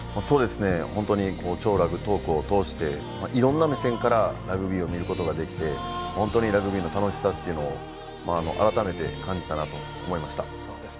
本当に「＃超ラグトーク」を通していろんな目線からラグビーを見ることができて本当にラグビーの楽しさっていうのを改めて感じたなと思いました。